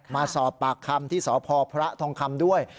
มาสอบปากคำที่สพพระทองคำด้วย